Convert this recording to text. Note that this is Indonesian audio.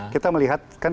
kita melihat kan